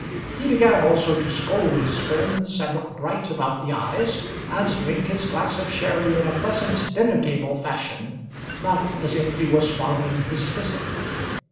He began also to scold his friends, and look bright about the eyes, and drink his glass of sherry in a pleasant dinner table fashion, not as if he were swallowing his physic.